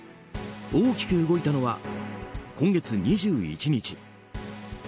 大きく動いたのは今月２１日。